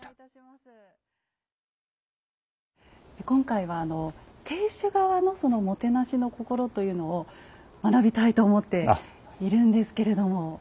今回はあの亭主側のそのもてなしのこころというのを学びたいと思っているんですけれども。